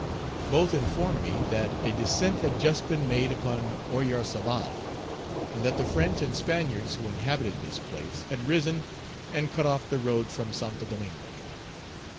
Both informed me that a descent had just been made upon Oyarsaval, and that the French and Spaniards who inhabited this place had risen and cut off the roads from Santo Domingo.